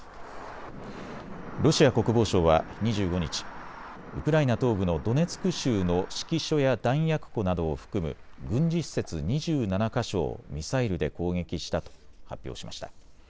ロシア国防省は２５日、ウクライナ東部のドネツク州の指揮所や弾薬庫などを含む軍事施設２７か所をミサイルで攻撃したと発表しました。